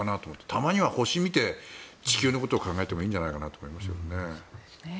たまには星を見て地球のことを考えてもいいんじゃないかと思いましたけどね。